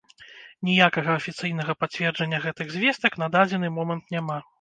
Ніякага афіцыйнага пацверджання гэтых звестак на дадзены момант няма.